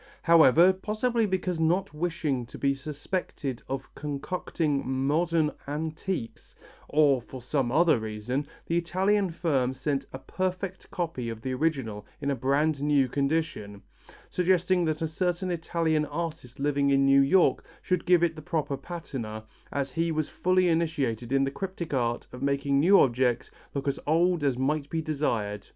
However, possibly because not wishing to be suspected of concocting "modern antiques," or for some other reason, the Italian firm sent a perfect copy of the original in a brand new condition, suggesting that a certain Italian artist living in New York should give it the proper patina as he was fully initiated in the cryptic art of making new objects look as old as might be desired.